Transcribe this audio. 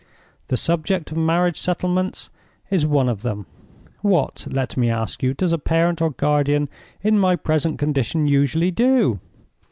The subject of marriage settlements is one of them. What, let me ask you, does a parent or guardian in my present condition usually do?